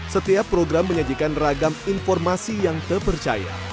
setiap program menyajikan ragam informasi yang terpercaya